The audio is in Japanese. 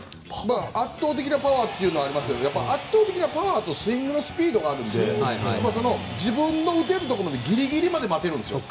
圧倒的なパワーというのがありますがやっぱり圧倒的なパワーとスイングスピードがあるので自分の打てるところまでギリギリまで待てるんですよ。